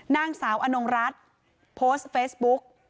นางสาวอนงรัฐโพสต์เฟซบุ๊ก